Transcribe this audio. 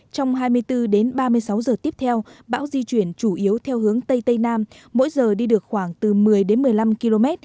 trong hai mươi bốn đến ba mươi sáu giờ tiếp theo bão di chuyển chủ yếu theo hướng tây tây nam mỗi giờ đi được khoảng từ một mươi đến một mươi năm km